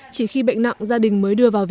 chỉ khi bệnh nặng gia đình mới đưa vào